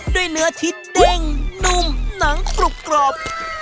ด้วยเนื้อที่เด้งนุ่มหนังกรุบกรอบ